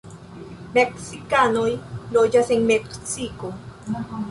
Meksikanoj loĝas en Meksikio.